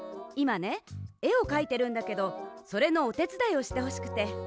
いまねえをかいてるんだけどそれのおてつだいをしてほしくて。